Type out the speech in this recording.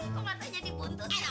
kok mata jadi buntu